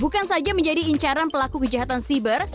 bukan saja menjadi incaran pelaku kejahatan siber